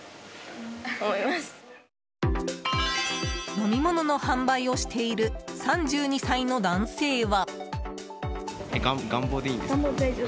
飲み物の販売をしている３２歳の男性は。